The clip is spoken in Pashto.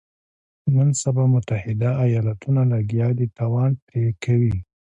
نن سبا متحده ایالتونه لګیا دي تاوان پرې کوي.